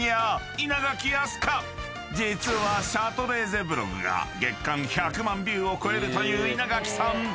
［実はシャトレーゼブログが月間１００万ビューを超えるという稲垣さん］